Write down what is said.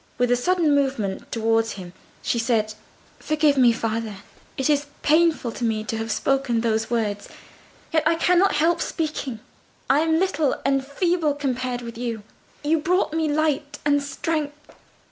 With a sudden movement towards him she said— "Forgive me, father; it is pain to me to have spoken those words—yet I cannot help speaking. I am little and feeble compared with you; you brought me light and strength.